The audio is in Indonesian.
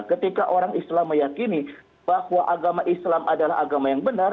ketika orang islam meyakini bahwa agama islam adalah agama yang benar